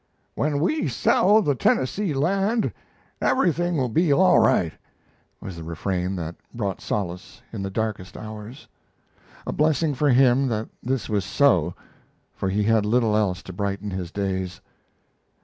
"When we sell the Tennessee land everything will be all right," was the refrain that brought solace in the darkest hours. A blessing for him that this was so, for he had little else to brighten his days.